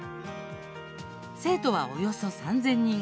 生徒はおよそ３０００人。